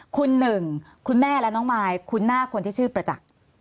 คุณหนึ่งคุณแม่และน้องมายคุ้นหน้าคนที่ชื่อประจักษ์